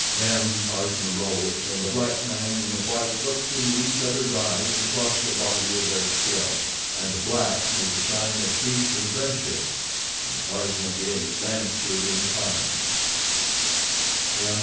Then Tarzan arose, and the black man and the white looked into each other's eyes across the body of their kill—and the black made the sign of peace and friendship, and Tarzan of the Apes answered in kind.